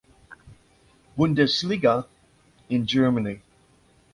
Bundesliga in Germany.